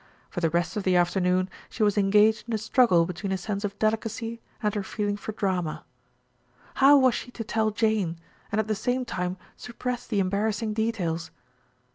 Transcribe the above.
For the rest of the afternoon she was engaged in a struggle between a sense of delicacy and her feeling for drama. How was she to tell Jane, and at the same time suppress the embarrassing details?